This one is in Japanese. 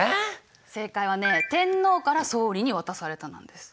正解はね「天皇から総理に渡された」なんです。